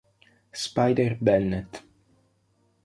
Spider Bennett